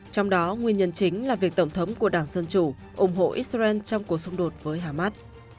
trong đó nguyên nhân chính là việc tổng thống của đảng dân chủ ủng hộ israel trong cuộc xung đột với hamas